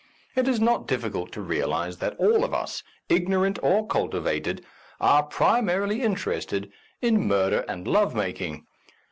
It is not dif ficult to realize that all of us, ignorant or cultivated, are primarily interested in mur der and love making.